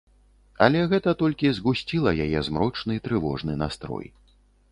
Але гэта толькі згусціла яе змрочны, трывожны настрой.